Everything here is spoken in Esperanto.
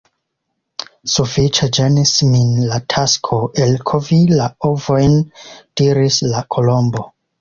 "Sufiĉe ĝenis min la tasko elkovi la ovojn," diris la Kolombo. "